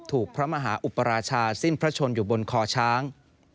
พระมหาอุปราชาสิ้นพระชนอยู่บนคอช้าง